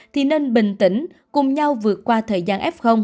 thì nên bình tĩnh cùng nhau vượt qua thời gian f